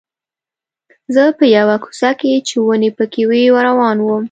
زه په یوه کوڅه کې چې ونې پکې وې روان وم.